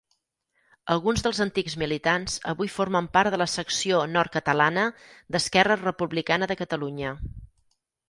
Alguns dels antics militants avui formen part de la secció nord-catalana d'Esquerra Republicana de Catalunya.